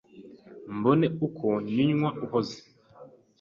mbone uko nywunywa uhoze